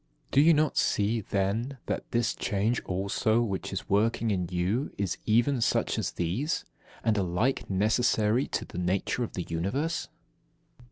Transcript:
Do you not see, then, that this change also which is working in you is even such as these, and alike necessary to the nature of the Universe?